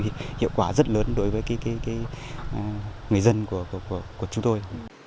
thì hiệu quả rất lớn đối với người dân của chúng tôi